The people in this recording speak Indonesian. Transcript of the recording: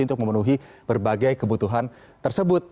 untuk memenuhi berbagai kebutuhan tersebut